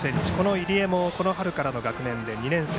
入江もこの春からの学年で２年生。